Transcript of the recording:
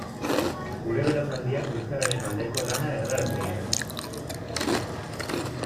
Gure belaunaldiak euskararen aldeko lana erdaraz egin du.